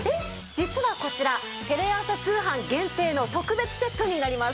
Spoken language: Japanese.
実はこちらテレ朝通販限定の特別セットになります。